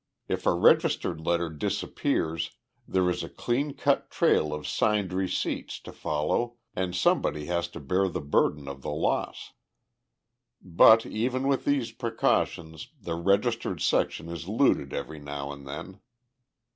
If a registered letter disappears there is a clean cut trail of signed receipts to follow and somebody has to bear the burden of the loss. But even with these precautions, the Registered Section is looted every now and then.